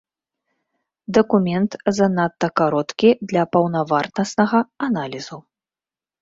Дакумент занадта кароткі для паўнавартаснага аналізу.